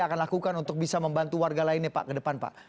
akan lakukan untuk bisa membantu warga lainnya pak ke depan pak